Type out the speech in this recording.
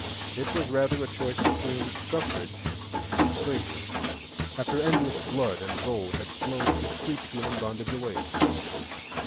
It was rather a choice between suffrage and slavery, after endless blood and gold had flowed to sweep human bondage away.